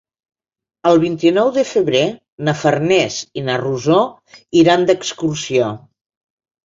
El vint-i-nou de febrer na Farners i na Rosó iran d'excursió.